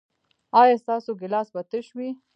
ایا ستاسو ګیلاس به تش وي؟